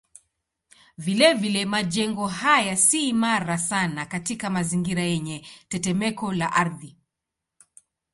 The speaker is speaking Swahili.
Vilevile majengo haya si imara sana katika mazingira yenye tetemeko la ardhi.